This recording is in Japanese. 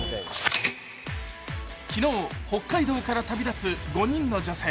昨日、北海道から旅立つ５人の女性。